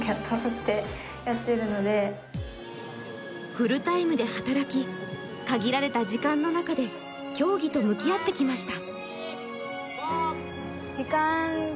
フルタイムで働き、限られた時間の中で競技と向き合ってきました。